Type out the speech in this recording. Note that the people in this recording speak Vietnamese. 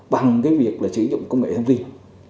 bằng cái việc là sử dụng công nghệ thông tin